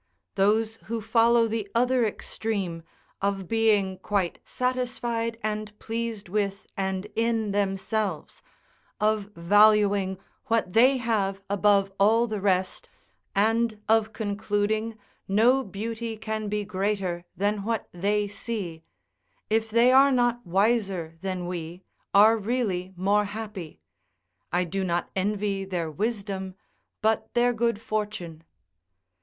Those who follow the other extreme, of being quite satisfied and pleased with and in themselves, of valuing what they have above all the rest, and of concluding no beauty can be greater than what they see, if they are not wiser than we, are really more happy; I do not envy their wisdom, but their good fortune.